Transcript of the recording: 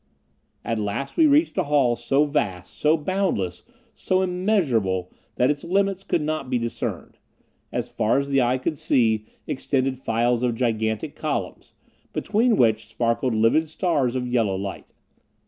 At last we reached a hall so vast, so boundless, so immeasurable, that its limits could not be discerned. As far as the eye could see, extended files of gigantic columns, between which sparkled livid stars of yellow light.